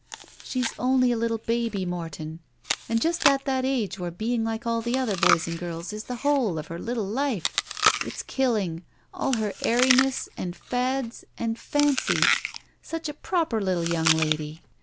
"She's only a little baby, Morton. And just at that age where being like all the other boys and girls is the whole of her little life. It's killing — all her airiness and fads and fancies. Such a proper little young lady.